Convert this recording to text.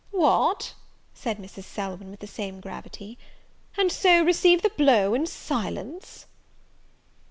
"What," said Mrs. Selwyn, with the same gravity, "and so receive the blow in silence!"